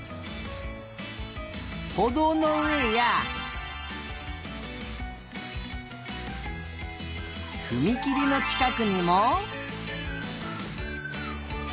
ほどうのうえやふみきりのちかくにも。